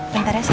bentar aja ya